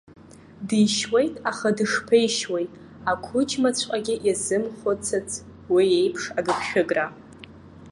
Дишьуеит, аха дышԥеишьуеи ақәыџьмаҵәҟьагьы иазымхәыцыц уи еиԥш агыгшәыгра.